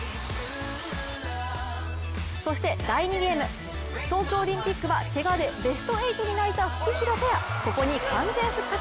そして第２ゲーム東京オリンピックはけがでベスト８に泣いたフクヒロペア、ここに完全復活。